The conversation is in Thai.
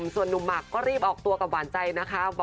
ส่วนนุ่มหมักก็รีบออกตัวกับหวานใจนะคะ